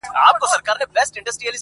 ته یې ګاږه زموږ لپاره خدای عادل دی,